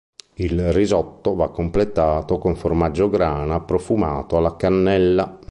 Il risotto va completato con formaggio grana profumato alla cannella.